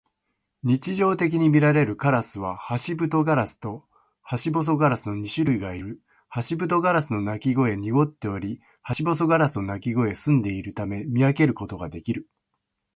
日常的にみられるカラスはハシブトガラスとハシボソガラスの二種類がいる。ハシブトガラスの鳴き声は濁っており、ハシボソガラスの鳴き声は澄んでいるため、見分けることができる。